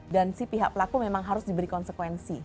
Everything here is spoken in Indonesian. si pihak pelaku memang harus diberi konsekuensi